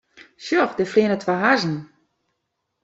Sjoch, dêr fleane twa hazzen.